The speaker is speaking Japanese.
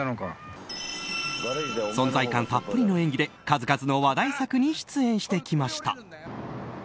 存在感たっぷりの演技で数々の話題作に出演してきました。